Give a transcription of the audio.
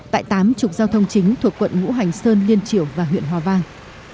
tại tám trục giao thông chính thuộc quận ngũ hành sơn liên triểu và huyện hòa vang